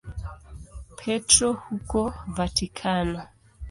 Petro huko Vatikano.